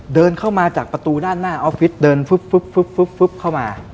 เดินเข้ามาจากประตูด้านหน้าออฟฟิศเดินเข้ามา